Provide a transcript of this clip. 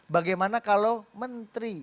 bagaimana kalau menteri